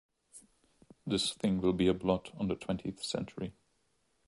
This thing will be a blot on the Twentieth Century!